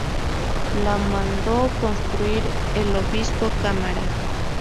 La mandó construir el Obispo Cámara.